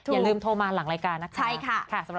อย่าลืมโทรมาหลังรายการนะคะ